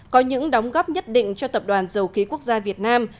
có những đóng góp nhất định cho tập đoàn dầu khí quốc gia việt nam